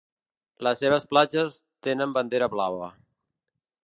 Les seves platges tenen bandera blava.